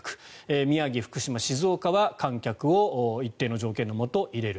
宮城、福島、静岡は観客を一定の条件のもと入れる。